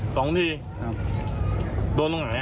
สองทีครับครับสองที